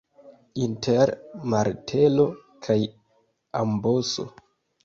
Inter martelo kaj amboso.